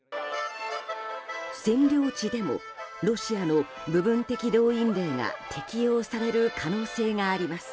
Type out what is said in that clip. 占領地でもロシアの部分的動員令が適用される可能性があります。